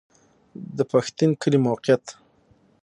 د پښتین کلی موقعیت